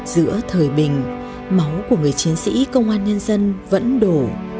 giữa thời bình máu của người chiến sĩ công an nhân dân vẫn đổ